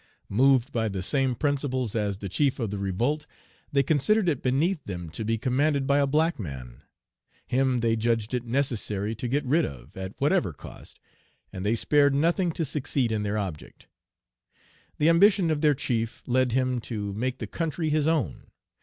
Moved by the same principles as the chief of the revolt, they considered it beneath them to be commanded by a black man. Him they judged it necessary to get rid of, at whatever cost, and they spared nothing to succeed in their object. The ambition of their chief led him to make the country his own.